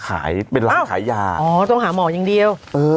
แล้วต้องไปพบแพทย์